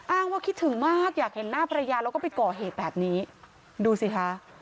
ว่าคิดถึงมากอยากเห็นหน้าภรรยาแล้วก็ไปก่อเหตุแบบนี้ดูสิคะ